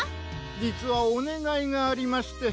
じつはおねがいがありまして。